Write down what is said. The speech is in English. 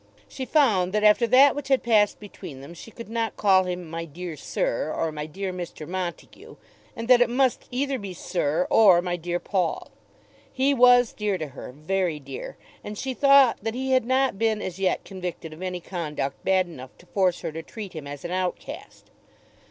She found that after that which had passed between them she could not call him "My dear Sir," or "My dear Mr. Montague," and that it must either be "Sir" or "My dear Paul." He was dear to her, very dear; and she thought that he had not been as yet convicted of any conduct bad enough to force her to treat him as an outcast.